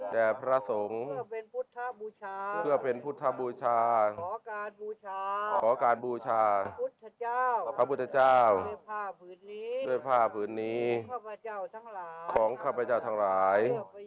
แกะพระสงค์เพื่อเป็นพุทธบูชาขอการบูชาพระพุทธเจ้าเพื่อผ้าผืนนี้ของข้าพเจ้าทั้งหลาย